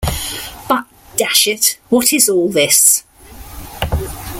But, dash it, what is all this?